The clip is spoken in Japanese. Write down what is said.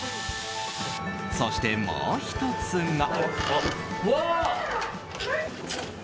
そして、もう１つが。